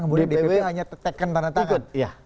kemudian dpw hanya tetekan tanda tangan